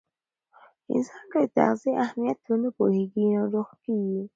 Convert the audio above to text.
انسان که د تغذیې اهمیت ونه پوهیږي، ناروغ کیږي.